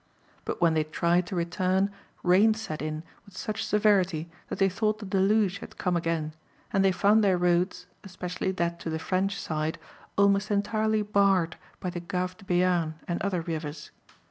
But when they tried to return, rain set in with such severity that they thought the Deluge had come again, and they found their roads, especially that to the French side, almost entirely barred by the Gave de Béarn and other rivers.